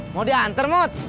mau diantar mot